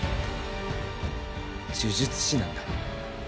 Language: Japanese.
呪術師なんだ。